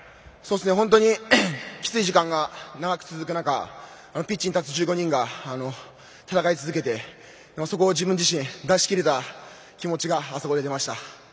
本当にきつい時間が長く続く中ピッチに立つ１５人が戦い続けてそこを自分自身出しきれた気持ちがあそこで出ました。